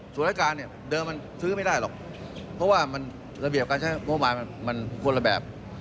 ส่วนรายการเดิมมันซื้อไม่ได้หรอกเพราะว่าระเบียบการใช้โมงบาลมันคนละแบบ